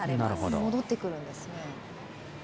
戻ってくるんですね。